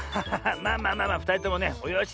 まあまあまあまあふたりともねおよしなさいって。